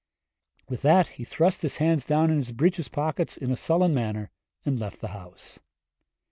With that he thrust his hands down in his breeches pockets in a sullen manner and left the house.